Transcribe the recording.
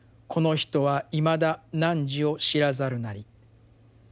この人はいまだ汝を知らざるなり」。